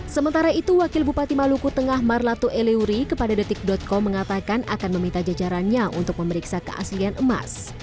sementara itu wakil bupati maluku tengah marlato eleuri kepada detik com mengatakan akan meminta jajarannya untuk memeriksa keaslian emas